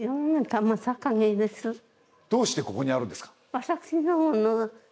どうしてここにあるんですか？